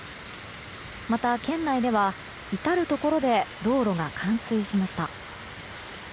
また、県内では至るところで道路が冠水しました。